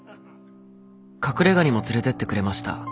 隠れ家にも連れてってくれました。